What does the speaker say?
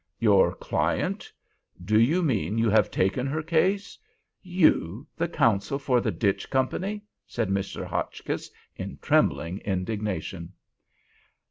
"Your client? Do you mean you have taken her case? You, the counsel for the Ditch Company?" said Mr. Hotchkiss, in trembling indignation.